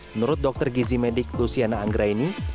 menurut dokter gizi medik lusiana anggraini